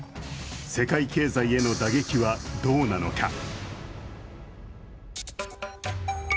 世界経済への打撃はどうなのか。